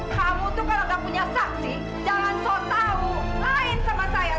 kamu tuh kalau nggak punya saksi jangan sosahu main sama saya